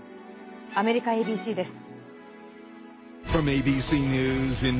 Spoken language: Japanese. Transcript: アメリカＡＢＣです。